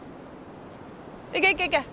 行け行け行け。